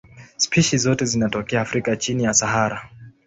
Spishi zote zinatokea Afrika chini ya Sahara.